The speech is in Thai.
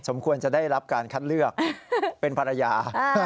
สมควรจะได้รับการคัดเลือกเป็นภรรยา